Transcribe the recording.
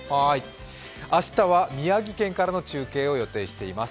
明日は宮城県からの中継を予定しています。